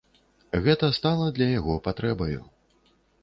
Гэта стала для яго патрэбаю.